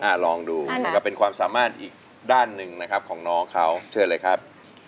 ลองดูนะครับเป็นความสามารถอีกด้านหนึ่งนะครับของน้องเขาเชิญเลยครับ